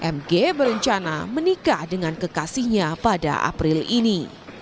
mg berencana menikah dengan kekasihnya pada april ini